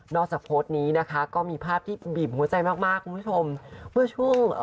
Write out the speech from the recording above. นอกจากโพสต์นี้นะคะก็มีภาพที่บีบหัวใจมากคุณผู้ชม